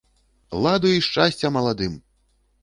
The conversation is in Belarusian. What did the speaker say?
Ладу й шчасця маладым!